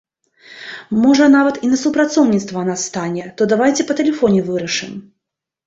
Можа нават і на супрацоўніцтва нас стане, то давайце па тэлефоне вырашым.